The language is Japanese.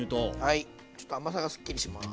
ちょっと甘さがすっきりします。